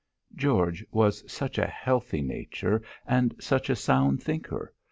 George was such a healthy nature and such a sound thinker!